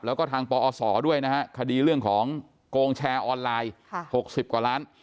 แล้วก็ทางปอศด้วยนะฮะคดีเรื่องของโกงแชร์ออนไลน์๖๐กว่าล้าน